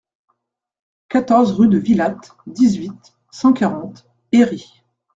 quatorze rue de Villatte, dix-huit, cent quarante, Herry